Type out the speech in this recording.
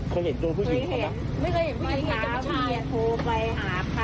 เค้าพูดไปที่ลุงพระพิษ